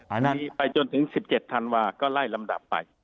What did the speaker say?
อ๋ออันนั้นไปจนถึงสิบเจ็ดธันวาค์ก็ไล่ลำดับไป